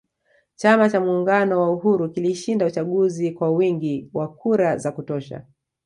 Chama cha muungano wa uhuru kilishinda uchaguzi kwa wingi wa kura za kutosha